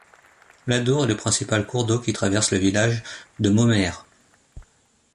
L'Adour est le principal cours d'eau qui traverse le village de Momères.